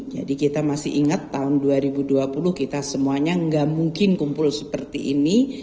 jadi kita masih ingat tahun dua ribu dua puluh kita semuanya gak mungkin kumpul seperti ini